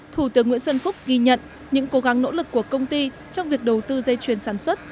thủ tướng nguyễn xuân phúc ghi nhận những cố gắng nỗ lực của công ty trong việc đầu tư dây chuyền sản xuất